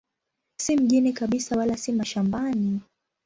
Si mjini kabisa wala si mashambani.